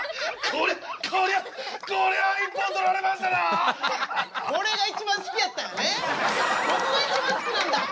ここが一番好きなんだ。